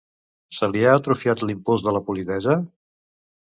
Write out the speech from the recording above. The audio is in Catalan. Se li ha atrofiat l'impuls de la polidesa?